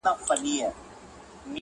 سترګي د محفل درته را واړوم!.